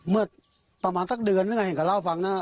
เมื่อประมาณสักเดือนนึงเห็นก็เล่าฟังนะ